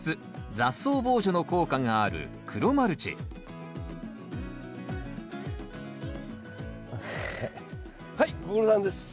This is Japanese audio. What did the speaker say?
雑草防除の効果がある黒マルチはいご苦労さんです。